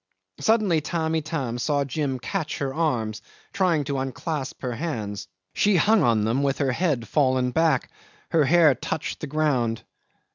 'Suddenly Tamb' Itam saw Jim catch her arms, trying to unclasp her hands. She hung on them with her head fallen back; her hair touched the ground.